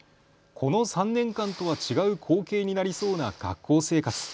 この３年間とは違う光景になりそうな学校生活。